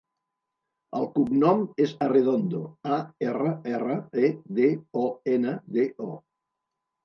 El cognom és Arredondo: a, erra, erra, e, de, o, ena, de, o.